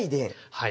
はい。